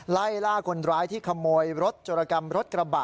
ไล่ล่าคนร้ายที่ขโมยรถโจรกรรมรถกระบะ